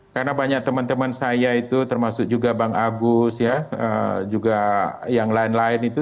karena banyak teman teman saya itu termasuk juga bang agus juga yang lain lain itu